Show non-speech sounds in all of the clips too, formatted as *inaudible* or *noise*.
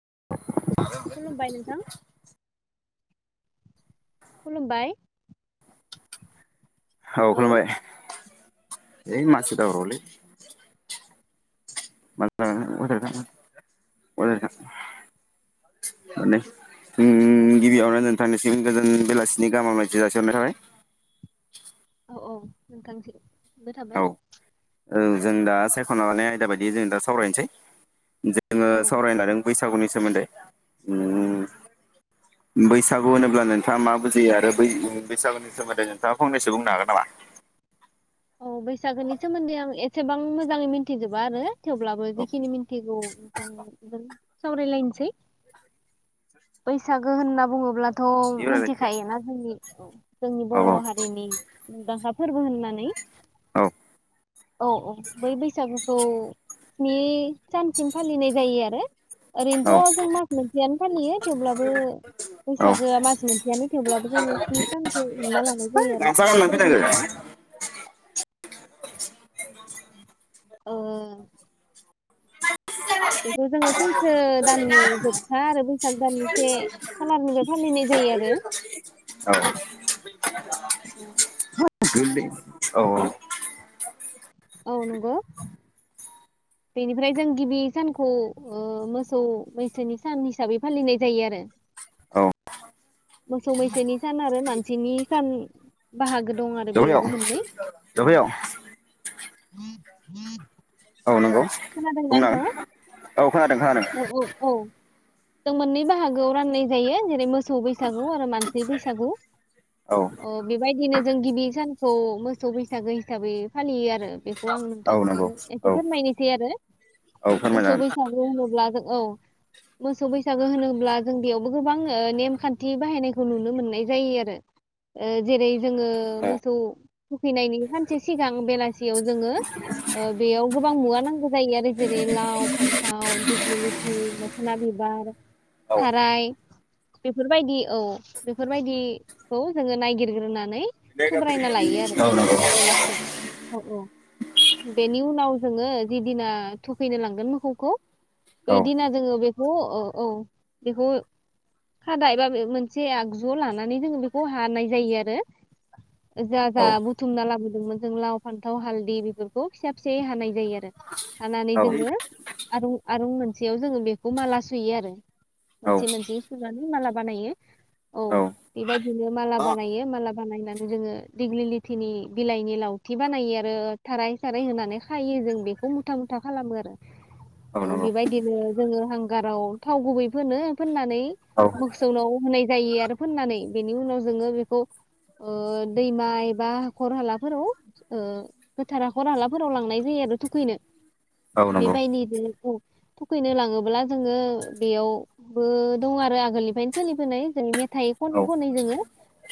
*inaudible* खुलुमबाय नोंथां। खुलुमबाय। औ खोनाबाय। ऐ मासि दावरावलै। *unintelligible* उम गिबियावनो नोंथांनिसिम गोजोन बेलासिनि गाहाम हामलायथि जासिहरनाय थाबाय। औ औ नोंथांसिम। बो थाबाय। औ औ जों दा सायख'ना लानाय आयदा बायदियै जों दा सावरायनोसै जोङो औ सावराय लादों बै सागुनि सोमोन्दै उम बैसागु होनोब्ला नोंथाङा मा बुजियो आरो बै बैसागुनि सोमोन्दै नोंथाङा फंनैसो बुंनो हागोन नामा? औ बैसागोनि सोमोन्दै आं एसेबां मोजाङै मिथिजोबा आरो थेवब्लाबो औ जिखिनि मिन्थिगौ नोंथांजों सावरायलायनोसै बैसागो होनना बुङोब्ला थ' औ मिथिखायोना जोंनि जोंनि बर' हारिनि मुंदांखा फोरबो होननानै। औ औ औ बै बैसागु खौ स्नि सानसिम फालिनाय जायो आरो औ ओरैनोथ' जों मास मोनसेयानो फालियो थेवब्लाबो औ बैसागोआ मास मोनसेयानो थेवब्लाबो जोङो स्नि सानखौ हमना लानाय जायो आरो गामसा गाननानै फोरबो फैनांगो हिसाबै ओम सैथो दाननि जोबथा आरो बैसाग दाननि से खालारनिफ्राय फालिनाय जायो आरो *unintelligible* *unintelligible* औऔ औ नोंगौ बेनिफ्राय जों गिबि सानखौ ओ मोसौ मैसोनि सान हिसाबै फालिनाय जायो आरो औ मोसौ मैसोनि सान आरो मानसिनि सान बाहागो दं आरो बेयावबो मोननै *unintelligible* *unintelligible* औ नंगौ नोंथाङा बुंनांगोन औ खोनादों खोनादों औ औ औ जों मोननै बाहागोआव राननाय जायो जेरै मोसौ बैसागु आरो मानसि बैसागु औ अ बेबायदिनो जों गिबि सानखौ मोसौ बैसागो हिसाबै फालियो आरो बे खौ आं औ नंगौ नोंथांनो एसे औ फोरमायनोसै आरो औ मोसौ फोरमायजागोन बैसागु होनोब्ला औ मोसौ बैसागो होनोब्ला जों बेयावबो गोबां ओ नेमखान्थि बाहायनायखौ नुनो मोननाय जायो आरो ओ जेरै जोङो औ मोसौ थुखैनायनि सानसे सिगां बेलासियाव जोङो ओ बेयाव गोबां मुवा नांगौ जायो आरो जेरै लाव फान्थाव दिग्लिलिथि मोखोना बिबार औ थाराय बेफोरबायदि औ बेफोरबायदिखौ जोङो नायगिरग्रोनानै थुब्रायना लायो आरो बेलासि *unintelligible* औ औ बेनि उनाव जोङो जिदिना थुखैनो लांगोन मोसौखौ औ बैदिना जोङो बेखौ औ औ बेखौ खादा एबा बे मोनसे आगजुआव लानानै जोङो बेखौ हानाय जायो आरो जा औ जा बुथुमना लाबोदोंमोन जों लाव फान्थाव हालदै बेफोरखौ फिसा फिसायै हानाय जायो आरो हानानै औ जोङो आरो आरो मोनसेयाव जोङो बेखौ माला सुयो आरो मोनसे मोनसे सुनानै माला बानायो औ बेबायदिनो माला बानायो माला बानायनानै जोङो दिग्लिलिथिनि बिलाइनि लावथि बानायो आरो थाराय साराय होनानै खायो जों बेखौ मुथा मुथा खालामो आरो औ बेबायदिनो जोङो हांगाराव थाव गुबै फोनो फोननानै औ नंगौ औ मोसौनाव होनाय जायो आरो फोननानै बेनि उनाव जोङो बेखौ ओ दैमा एबा हाखर हालाफोराव ओ गोथार हाखर हालाफोराव लांनाय जायो आरो थुखैनो औ नंगौ औ नंगौ औ नंगौ औ नंगौ बेबायदिनो औ थुखैनो लाङोब्ला जोङो बेयावबो दं आरो आगोलनिफ्रायनो सोलिबोनाय ज मेथाइ औ खनै खनै जोङो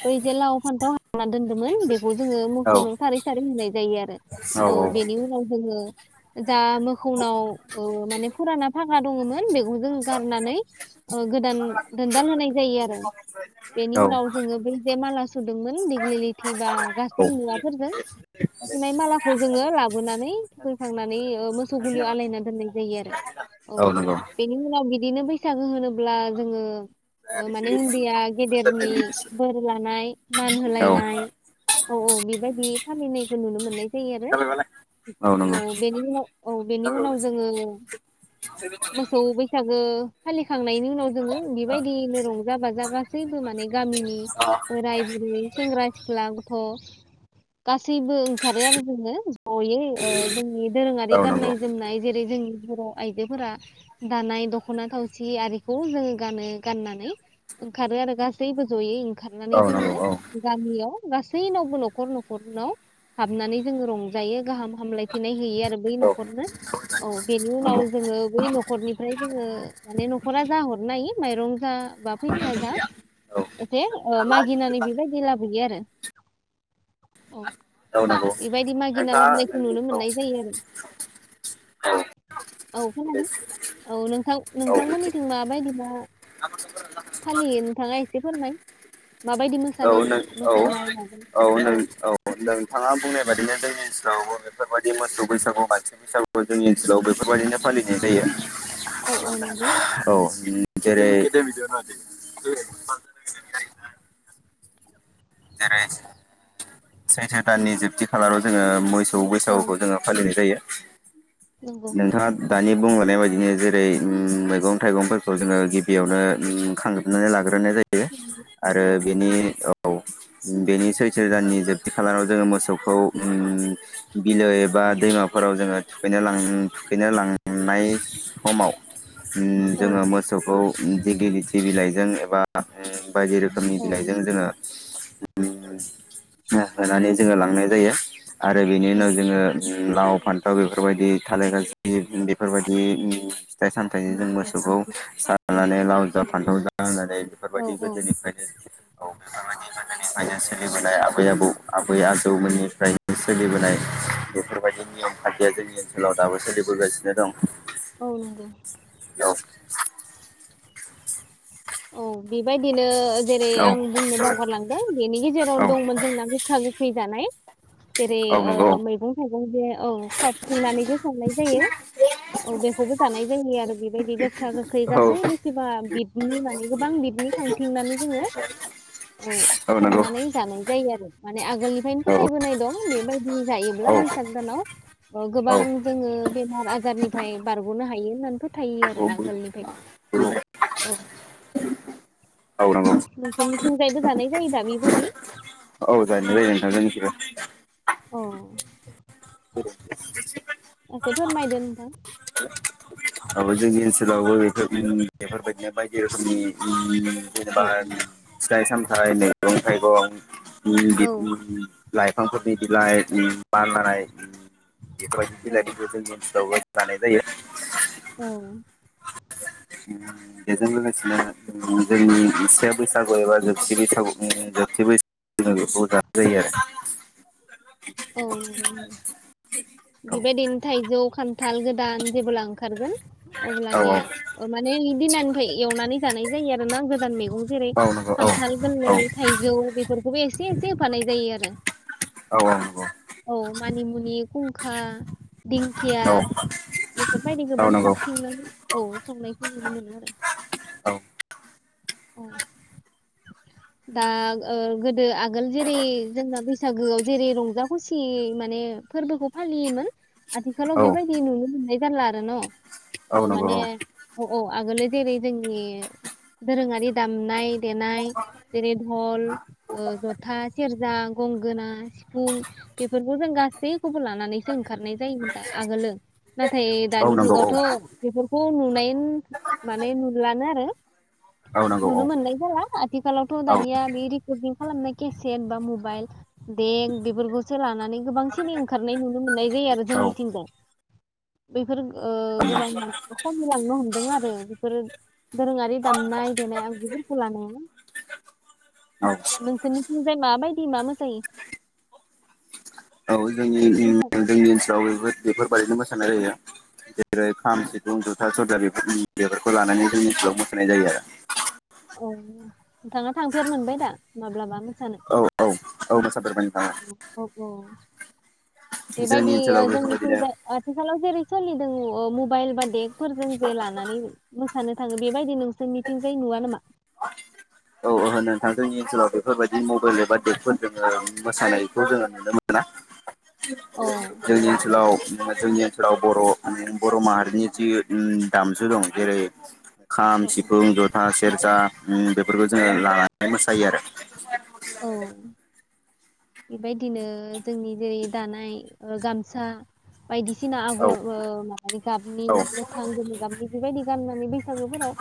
बै जे लाव फान्थाव हाना दोन्दोंमोन बेखौ जोङो नंगौ मोसौनाव सारै सारै होनाय जायो आरो औ बेनि उनाव जोङो जा मोखौनाव औ ओ माने फोराना फाग्रा दङमोन बेखौ जों गारनानै ओ गोदान दोनदाल होनाय जायो आरो बेनि औ नंगौ उनाव जोङो बै जे माला सुदोंमोन दिग्लिलिथि बा गासै नोंथाङा मुवाफोरजों सुनाय मालाखौ जोङो लाबोनानै थुखैखांनानै ओ मोसौ गुलियाव आलायना दोननाय जायो आरो औ बेनि उनाव बिदिनो बैसागो होनोब्ला जोङो ओ माने उन्दैया गेदेरनि बोर लानाय मान होलायनाय औ औ बेबायदि फालिनायखौ नुनो मोननाय जायो आरो औ बेनि उनाव औ बेनि उनाव जोङो मोसौ बैसागो फालिखांनायनि उनाव जोङो बेबायदिनो रंजा बाजा गासैबो माने गामिनि बोराय बुरि सेंग्रा सिख्ला, गथ' गासैबो ओंखारो आरो जोङो जयै ओ जोंनि दोरोङारि गाननाय जोमनाय जेरै जोंनि बर' आइजोफोरा दानाय दख'ना थावसि आरिखौ जोङो गानो गाननानै ओंखारो आरो गासैबो जयै ओंखारनानै जोङो गामियाव गासैनावबो न'खर न'खरनाव हाबनानै जोङो रंजायो गाहाम हामलायथिनाय होयो आरो बै नखरनो औ बेनि उनाव जोङो बै न'खरनिफ्राय जोङो माने न'खरा जा हरनाय माइरं जा बा फैसा जा एसे ओ मागिनानै बेबायदि लाबोयो आरो औ बे बायदि मागिना लाबनायखौ नुनो मोननाय जायो आरो। औ खोनादों, औ नोंथां औ औ नोंथांमोननिथिं माबायदि बा फालियो नोंथाङा एसे फोरमाय माबायदि औ मोसानाय नों औ मोसानाय माबायो औ नों औ नोंथाङा बुंनाय बादिनो जोंनि यावबो बेफोरबायदि मोसौ बैसागु, बाथि बैसागुखौ जोंनि ओनसोलाव बेफोरबायदिनो फालिनाय जायो। औ औ नंगौ औ। जेरै जेरै सैथो दाननि जोबथि खालाराव जोङो मैस सौ औ बैसागुखौ जोङो फालिनाय जायो। नंगौ नोंथाङा दानि बुंलांनाय बाय इनो जेरै उम मैगं थाइगंफोरखौ जोंङो गिबियावनो उम खांग्रोनानै लाग्रो नाय जायो औ आरो औ बेनि औ। उम बेनि सैथो दाननि जोबथि खालाराव जोङो मोसौखौ उम बिलो एबा दैमाफोराव जोङो थुखैनो लां थुखैनो लांनाय समाव ओम औ जोङो मोसौखौ दिगिलिति बिलाइजों एबा ए बायदि रोखोमनि बिलाइजों जोङो उम हो-होनानै जोङो लांनाय जायो। आरो बेनि उनाव नंगौ जोङो उम लाव फान्थाव बेफोरबायदि थाले गाज्रि बेफोरबायदि उम फिथाइ सामथाइजों मोसौखौ सारनानै लाव जा फान्थाव जा होनो जाय औ बिफोरबादि औ गोदोनिफ्रायनो *unintelligible* फायनो सोलिबोनाय आबै आबौ आबै आजौमोननिफ्रायनो सोलिबोनाय बेफोरबायदि नियम खान्थिया जोंनि ओनसोलाव दाबो सोलिबोगासिनो दं। औ नोंगौ। औ औ बेबायदिनो जेरै औ आं बुंनो बावगारलांदों बेनि औ गेजेरावनो दंमोन जोंना गोखा गोखै जानाय। जेरै औ ओ नंगौ मैगं थाइगं जे औ खाबथिंनानै *unintelligible* साननाय जायो औ बेखौबो जानाय जायो आरो बेबायदि गोखा गोखै औ गासै मिथिबा बिदनि माने गोबां बिदनि खांथिंनानै जोङो औ संनानै जानाय जायो आरो माने आगोलनिफायनो औ फोथायबोनाय दं बेबाय दि जायोब्ला बैसाग दानाव ओ औ गोबां जोङो बेमार आजारनिफ्राय बारग'नो हायो होननानै फो थायो आरो आगोलनिफानो औ। औ नंगौ नोंसोरनिथिंजायबो जानाय जायोदा बि बायदि? औ जानाय जायो अ नोंथां जोंनिथिबो। *inaudible* *inaudible* एसे फोरमायदो नोंथां। आबो जोंनि ओनसोलावबो बेफोर ओम बेफोरबायदिनो बायदि रोखोमनि ओम जेनेबा औ ओम फिथाइ सामथाइ मेगं मैगं औ *unintelligible* लाइफांफोरनि बिलाइ ओम बारलानाय ओम बेफोरबायदि औ बिलाइफोरखौ जोंनि ओनसोलावबो जानाय जायो। औ। ओम बेजों लोगोसेनो ओम जोंनि से बैसागु एबा जोबथि बैसागु ओम जोबथि बैसागु जोङो बेखौ जानाय जायो आरो। औ नंगौ नंगौ, बेबायदिनो थाइजौ खान्थाल गोदान जेबोला ओंखारगोन आरो अब्लानिया ओ माने इदिनानिफ्राय एवनानै जानाय जायो आरो ना गोदान मेग गं जेरै खान्थाल गोरलै, थाइजौ बेफोरखौबो एसे एसे होफानाय जायो आरो। औ *unintelligible* मानिमुनि, खुंखा दिंखिया बेफोरबायदि औ गोबां नंगौ खाबथिंनानै औ। संनायखौ नुनो मोनो आरो। औ अ दा ओ गोदो आगोल जेरै जोंना बैसागोआव जेरै रंजा खुसि माने फोरबोखौ फालियोमोन औ आथिखालाव बेबायदि नुनो मोननाय जारला आरो न'? औ नंगौ औ। अ आगोलो जेरै जोंनि दोरोङारि दामनाय देनाय जेरै धल ओ ज'था, सेरजा, गंगोना, सिफुं बेफोरखौ जों गासैखौबो लानानैसो ओंखारनाय जायोमोन दा आगोलो। नाथ थाय औ नंगौ औ नंगौ औ दानि नंगौ औ जुगावथ' बेफोर खौ नुनाय माने नुलानो आरो। औ नंगौ औ नुनो मोननाय जाला आथ आथिखालावथ' औ दानिया बे रेकर्डिं खालामनाय केसेट बा मबाइल देग बेफोरखौसो लानानै गोबांसिन ओंखारनाय नुनो मोननाय जायो आरो औ जोंनिथिंजाय। बेफोर ओ गोबां औ मान खमिलांनो हमदों आरो बेफोरो दोरोङारि दामनाय देनाय आगगुफोरखौ लानाया। नोंसोरनिथिंजाय माबायदि मा मोसायो? औ जोंनि जोंनि ओनसोलाव बेफोर बेफोरबाददिनो मोसानाय जायो। जेरै खाम, सिफुं, ज'था, सेरजा बेफोर बेफोरखौ लानानै जोंनि ओनसोलाव मोसानाय जायो आरो। औ नोंथाङा थांफेर मोनबाय दा माब्लाबा? मोसानो औ औ औ मोसाफेरबाय। नोंथां औ। अ। जोंनि बेबायदि ओ ओनसोलाव बेफोरबायदिनो जोंनिथिंजाय आथिखालाव जेरै सोलिदों ओ मबाइल बा देगफोरजों जे लानानै मोसानो थाङो बेबायदि नोंसोर मिथिंजाय नुवा नामा? औ ओहो नोंथां जोंनि ओनसोलाव बेफोरबायदि मबाइल एबा देगफोरजों जोङो मोसानायखौ जोङो नुनो मोना। औ जोंनि ओनसोलाव जोंनि ओनसोलाव बर' बर' माहारिनि जि ओम दामजु दं जेरै खाम औ औ सिफुं जथा सेरजा। उम बेेफोर जोङो लानानै मोसायो आरो। औ औ बेबायदिनो जोंनि जेरै दानाय ओ गामसा बायदिसिना औ आगर ओ माबानि गाबनि औ गोथां गोमो गाबनि बेबायदि गाननानै बैसागोफोराव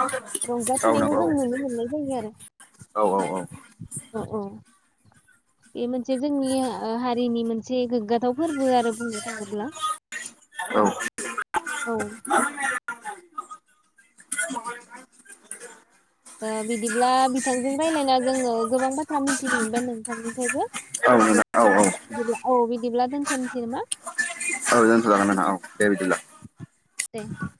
रंजा औ फुनायखौ नंगौ औ जों नुनो मोनदों। होयो आरो। औ अ औ बे मोनसे जोंनि हारिनि मोनसे गोग्गाथाव फोरबो आरो बुंनो थाङोब्ला। औ ओ बिदिब्ला बिथांजों रायज्लायना जोङो गोबां बाथ्रा मिन्थिनो मोनबाय नोंथांनिफ्रायबो औ औ बिदिब्ला औ बिदिब्ला दोनथनोसै नामा दोनथ' जागोन नोंथां औ दे बिदिब्ला दे दे।